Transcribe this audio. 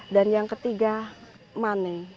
dan yang ketiga money